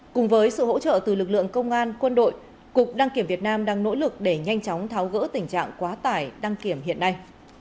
cùng với sự hỗ trợ từ lực lượng công an quân đội cục đăng kiểm việt nam đang nỗ lực để nhanh chóng tháo gỡ tình trạng quá tải đăng kiểm hiện nay